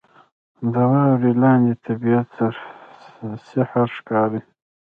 • د واورې لاندې طبیعت سحر ښکاري.